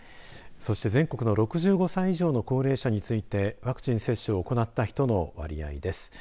そして、全国の６５歳以上の高齢者についてワクチン接種を行った人の割合です。